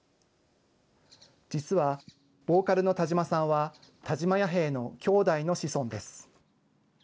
実はボーカルの田島さんは、田島弥平の兄弟の子孫です。